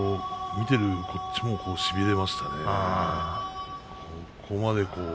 見ているこっちもしびれましたね。